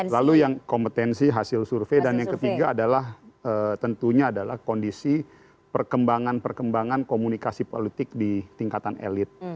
lalu yang kompetensi hasil survei dan yang ketiga adalah tentunya adalah kondisi perkembangan perkembangan komunikasi politik di tingkatan elit